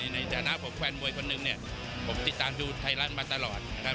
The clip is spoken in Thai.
ในฐานะของแฟนมวยคนหนึ่งเนี่ยผมติดตามดูไทยรัฐมาตลอดนะครับ